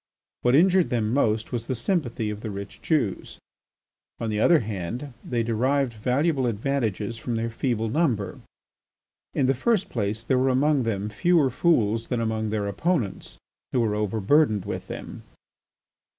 What injured them most was the sympathy of the rich Jews. On the other hand they derived valuable advantages from their feeble number. In the first place there were among them fewer fools than among their opponents, who were over burdened with them.